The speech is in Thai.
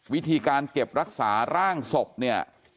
วิธีการเก็บรักษาร่างศพเนี่ย